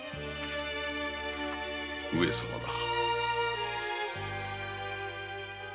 上様だ。